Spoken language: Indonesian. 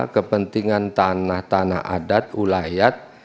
kepentingan tanah tanah adat ulayat